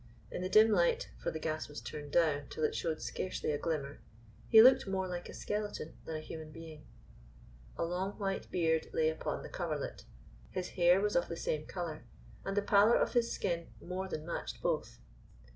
In the dim light, for the gas was turned down till it showed scarcely a glimmer, he looked more like a skeleton than a human being. A long white beard lay upon the coverlet, his hair was of the same color, and the pallor of his skin more than matched both.